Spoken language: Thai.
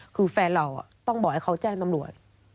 คือแฟนเราต้องบอกให้เขาแจ้งตำรวจ